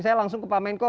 saya langsung ke pak menko